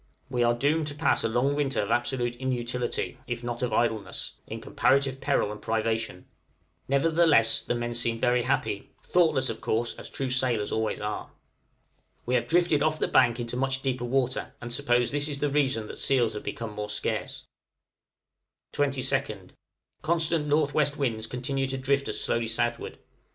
We are doomed to pass a long winter of absolute inutility, if not of idleness, in comparative peril and privation; nevertheless the men seem very happy thoughtless, of course, as true sailors always are. We have drifted off the bank into much deeper water, and suppose this is the reason that seals have become more scarce. 22nd. Constant N.W. winds continue to drift us slowly southward.